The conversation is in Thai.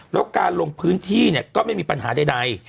แล้วการลงพื้นที่ก็ไม่มีปัญหาใด